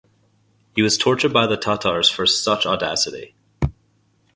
He was tortured by the Tatars for such audacity.